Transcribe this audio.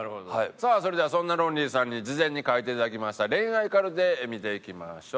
さあそれではそんなロンリーさんに事前に書いて頂きました恋愛カルテ見ていきましょう。